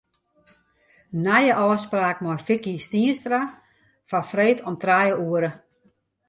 Nije ôfspraak mei Vicky Stienstra foar freed om trije oere.